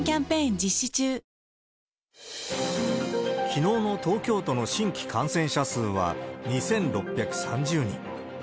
きのうの東京都の新規感染者数は、２６３０人。